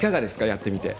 やってみて。